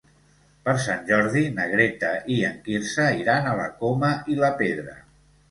Per Sant Jordi na Greta i en Quirze iran a la Coma i la Pedra.